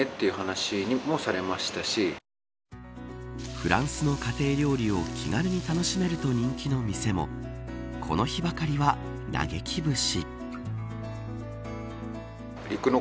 フランスの家庭料理を気軽に楽しめると人気の店もこの日ばかりは、嘆き節。